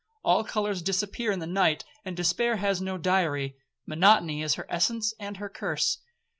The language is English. All colours disappear in the night, and despair has no diary,—monotony is her essence and her curse.